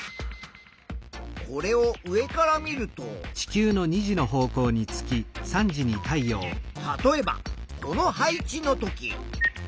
これを上から見ると例えばこの配置の時。